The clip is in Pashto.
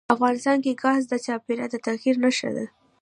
افغانستان کې ګاز د چاپېریال د تغیر نښه ده.